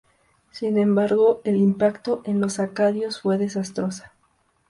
Sin embargo el impacto en los Acadios fue desastrosa.